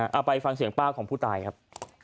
เอาไปฟังเสียงป้าของผู้ตายครับ